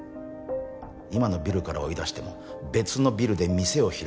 今のビルから追い出しても別のビルで店を開くだろう。